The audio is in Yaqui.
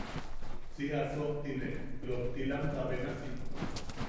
Si jasojtine lottilamta benasi.